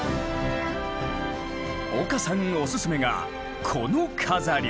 岡さんおすすめがこの飾り！